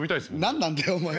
何なんだよお前。